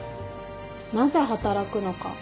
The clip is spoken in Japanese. なぜ働くのか。